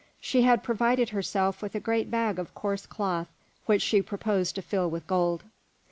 She had provided herself with a great bag of coarse cloth which she proposed to fill with gold.